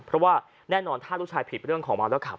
เพราะว่าแน่นอนถ้าลูกชายผิดเรื่องของเมาแล้วขับ